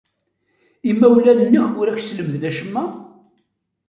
Imawlan-nnek ur ak-slemden acemma?